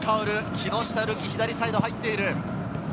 木下瑠己、左サイドに入っている。